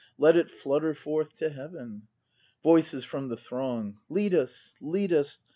Let it flutter forth to heaven! Voices from the Throng. Lead us, lead us!